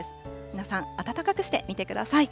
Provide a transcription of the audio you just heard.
皆さん、暖かくして見てください。